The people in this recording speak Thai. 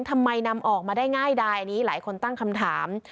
ทำไมนำออกมาได้ง่ายดายอันนี้หลายคนตั้งคำถาม